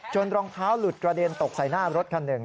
รองเท้าหลุดกระเด็นตกใส่หน้ารถคันหนึ่ง